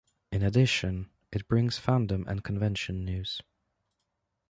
In addition, it brings fandom and convention news.